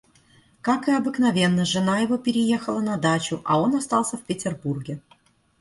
Как и обыкновенно, жена его переехала на дачу, а он остался в Петербурге.